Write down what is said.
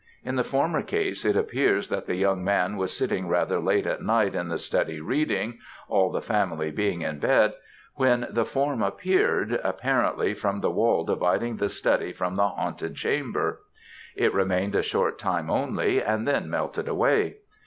In the former case, it appears that the young man was sitting rather late at night in the study reading all the family being in bed when the form emerged, apparently, from the wall dividing the study from the haunted chamber. It remained a short time only and then melted away.